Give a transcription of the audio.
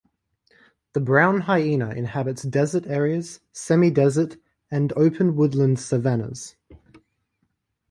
The brown hyena inhabits desert areas, semi-desert, and open woodland savannahs.